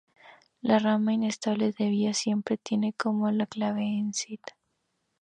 La rama inestable de Debian siempre tiene como nombre en clave "Sid".